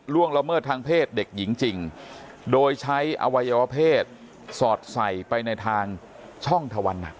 ละเมิดทางเพศเด็กหญิงจริงโดยใช้อวัยวเพศสอดใส่ไปในทางช่องทวันหนัก